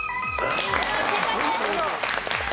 正解です。